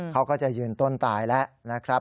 เขาก็จะยืนต้นตายแล้วนะครับ